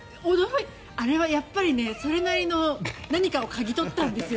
あれはやっぱりそれなりの何かを嗅ぎ取ったんですよ。